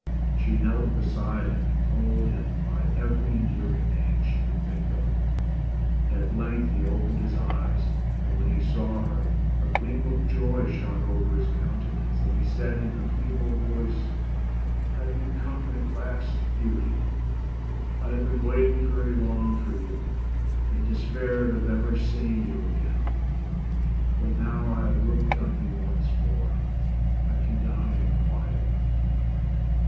She knelt beside him, and called him by every endearing name she could think of. At length he opened his eyes, and when he saw her, a gleam of joy shot over his countenance, and he said in a feeble voice, " Have you come at last, Beauty ? I have been waiting very long for you, and despaired of ever seeing you again. But now I have looked on you once more, I can die in quiet."